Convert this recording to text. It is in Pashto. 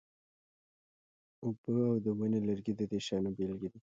اوبه او د ونې لرګي د دې شیانو بیلګې دي.